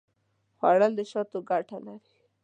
خوړل د شاتو ګټه لري